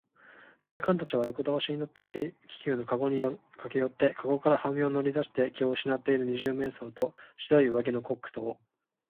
警官たちは横だおしになった軽気球のかごにかけよって、かごから半身を乗りだして気をうしなっている二十面相と、白い上着のコックとを、